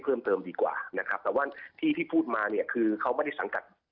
เพิ่มเติมดีกว่านะครับแต่ว่าที่ที่พูดมาเนี่ยคือเขาไม่ได้สังกัด